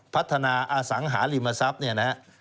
พัฒนาอสังหาริมทรัพย์เนี่ยนะครับ